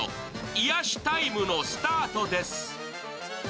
癒しタイムのスタートです。